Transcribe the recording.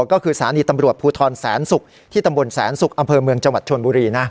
ก็คือสถานีตำรวจภูทรแสนศุกร์ที่ตำบลแสนศุกร์อำเภอเมืองจังหวัดชนบุรีนะ